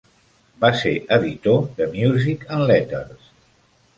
Va ser editor de "Music and Letters".